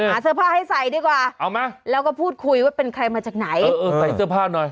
เสื้อผ้าให้ใส่ดีกว่าเอาไหมแล้วก็พูดคุยว่าเป็นใครมาจากไหนเออใส่เสื้อผ้าหน่อย